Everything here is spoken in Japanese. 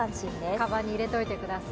かばんに入れておいてください。